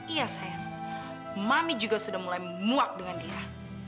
ia sayang mami juga sudah mulai muak dengan dia